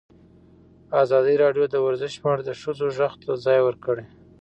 ازادي راډیو د ورزش په اړه د ښځو غږ ته ځای ورکړی.